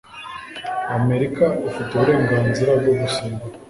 amerika ufite uburenganzira bwo gusenga